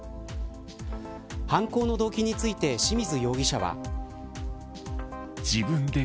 犯行の動機について清水容疑者は。